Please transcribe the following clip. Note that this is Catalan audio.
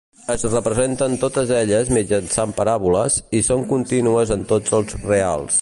Es representen totes elles mitjançant paràboles i són contínues en tots els reals.